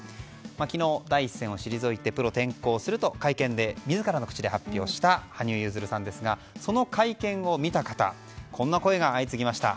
昨日、第一線を退いてプロ転向すると会見で自らの口で発表した羽生結弦さんですがその会見を見た方こんな声が相次ぎました。